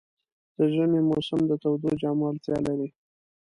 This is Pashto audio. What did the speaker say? د ژمي موسم د تودو جامو اړتیا لري.